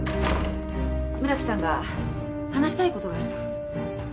村木さんが話したい事があると。